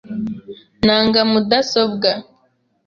Nanga mudasobwa .